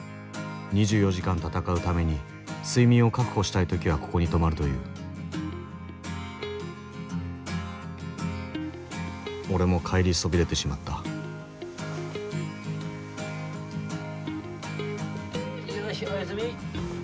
２４時間戦うために睡眠を確保したい時はここに泊まるという俺も帰りそびれてしまったよしおやすみ。